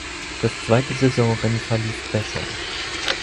Das zweite Saisonrennen verlief besser.